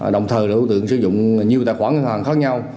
đồng thời là đối tượng sử dụng nhiều tài khoản ngân hàng khác nhau